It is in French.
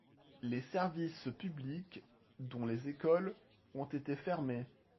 Les services publics, dont les écoles, ont été fermés.